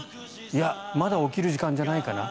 いや、まだ起きる時間じゃないかな？